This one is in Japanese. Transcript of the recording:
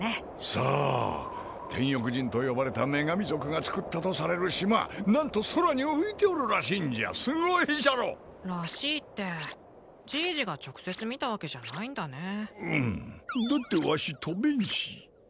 そう天翼人と呼ばれた女神族がつくったとされる島なんと空に浮いておるらしいんじゃすごいじゃろらしいってじいじが直接見たわけじゃないんだねうんだってわし飛べんし